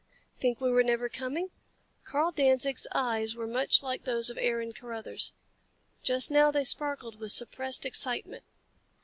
"Think we were never coming?" Karl Danzig's eyes were much like those of Aaron Carruthers. Just now they sparkled with suppressed excitement.